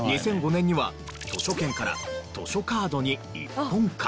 ２００５年には図書券から図書カードに一本化。